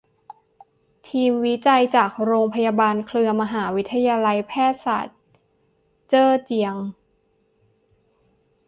ทีมวิจัยจากโรงพยาบาลเครือมหาวิทยาลัยแพทยศาสตร์เจ้อเจียง